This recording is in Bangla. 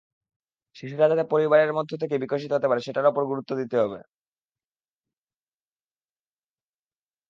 শিশুরা যাতে পরিবারের মধ্যে থেকে বিকশিত হতে পারে, সেটার ওপর গুরুত্ব দিতে হবে।